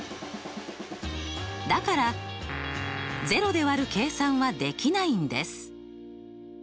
だから０で割る計算はできないんです。